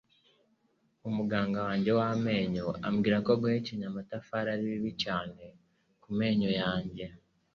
Umuganga wanjye w'amenyo ambwira ko guhekenya amatafari ari bibi cyane kumenyo yawe.